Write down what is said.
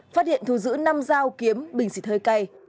phát hiện thu giữ năm dao kiếm bình xịt hơi cay